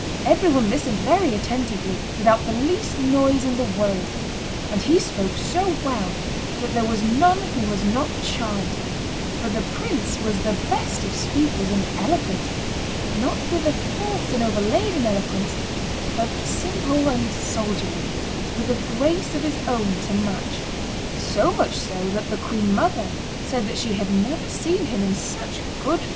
... Every one listened very attentively, without the least noise in the world; and he spoke so well that there was none who was not charmed, for the prince was the best of speakers and eloquent, not with a forced and overladen eloquence, but simple and soldierly, with a grace of his own to match; so much so that the queen mother said that she had never seen him in such good form."